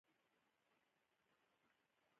دغه کلی پخوا د شدیدې بې وزلۍ ښکار و.